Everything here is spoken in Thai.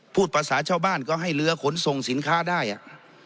พูดภาษาชาวบ้านก็ให้เรือขนส่งสินค้าได้อ่ะ